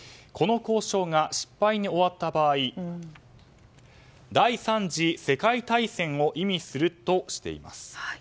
この交渉が失敗に終わった場合は第３次世界大戦を意味するとしています。